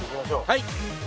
はい！